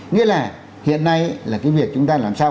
nghĩa là hiện nay là cái việc chúng ta làm sao